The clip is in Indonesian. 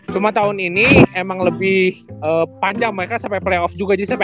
cuman tahun ini emang lebih panjang mereka sampai play off juga juga ya kan